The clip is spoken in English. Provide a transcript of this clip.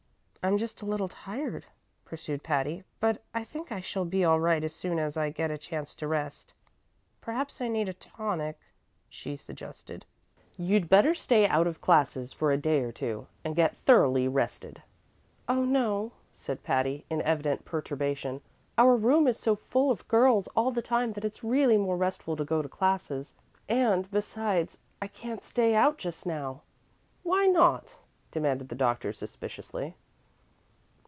"I'm just a little tired," pursued Patty, "but I think I shall be all right as soon as I get a chance to rest. Perhaps I need a tonic," she suggested. "You'd better stay out of classes for a day or two and get thoroughly rested." "Oh, no," said Patty, in evident perturbation. "Our room is so full of girls all the time that it's really more restful to go to classes; and, besides, I can't stay out just now." "Why not?" demanded the doctor, suspiciously.